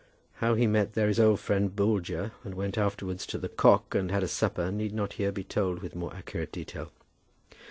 How he met there his old friend Boulger and went afterwards to "The Cock" and had a supper need not here be told with more accurate detail.